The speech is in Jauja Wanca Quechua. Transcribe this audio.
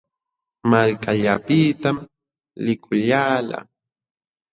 Malkallaapitam likullalqaa.